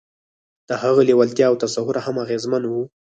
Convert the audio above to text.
د هغه لېوالتیا او تصور هم اغېزمن وو